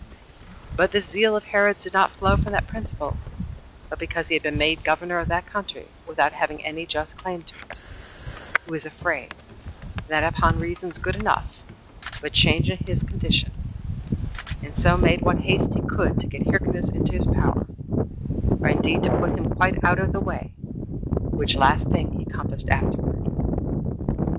But this zeal of Herod's did not flow from that principle, but because he had been made governor of that country without having any just claim to it, he was afraid, and that upon reasons good enough, of a change in his condition, and so made what haste he could to get Hyrcanus into his power, or indeed to put him quite out of the way; which last thing he compassed afterward.